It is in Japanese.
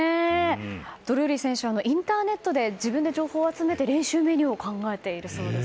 ドルーリー選手はインターネットで自分で情報を集めて練習メニューを考えているそうです。